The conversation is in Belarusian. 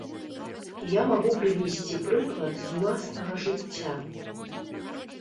Я магу прывесці прыклад з уласнага жыцця.